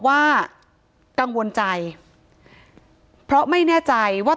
ถ้าใครอยากรู้ว่าลุงพลมีโปรแกรมทำอะไรที่ไหนยังไง